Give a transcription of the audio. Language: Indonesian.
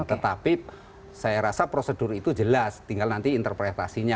tetapi saya rasa prosedur itu jelas tinggal nanti interpretasinya